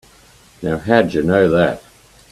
Now how'd you know that?